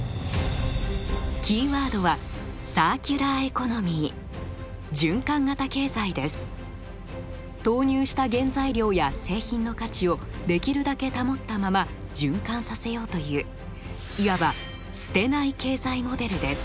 キーワードは投入した原材料や製品の価値をできるだけ保ったまま循環させようといういわば捨てない経済モデルです。